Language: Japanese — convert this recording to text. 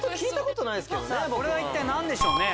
これは一体何でしょうね？